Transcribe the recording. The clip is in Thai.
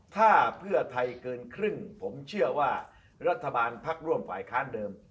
ถ้าเพื่อไทยเกินครึ่งผมเชื่อว่ารัฐบาลพักร่วมฝ่ายค้านเดิม